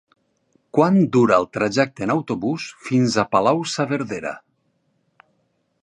Quant dura el trajecte en autobús fins a Palau-saverdera?